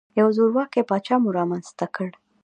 یو زورواکۍ پاچا مو رامنځته کړ.